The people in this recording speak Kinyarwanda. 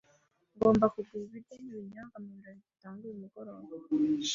Ngomba kugura ibiryo n'ibinyobwa mubirori dutanga uyu mugoroba.